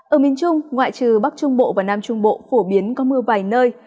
ở miền trung ngoại trừ bắc trung bộ và nam trung bộ phổ biến có mưa vài nơi